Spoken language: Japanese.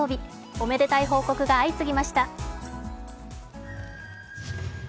おめでたい報告が相次ぎました。